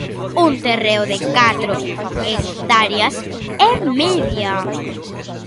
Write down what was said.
Un terreo de catro hectáreas e media.